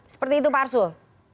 seperti itu pak arsul